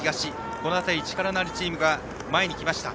この辺り力のあるチームが前に来ました。